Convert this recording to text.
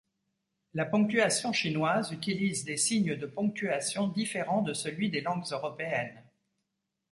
La ponctuation chinoise utilise des signes de ponctuation différents de celui des langues européennes.